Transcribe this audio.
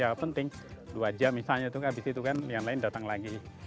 ya penting dua jam misalnya itu habis itu kan yang lain datang lagi